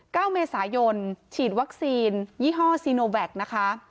เก้าเมษายนฉีดวัคซีนยี่ห้อนะคะ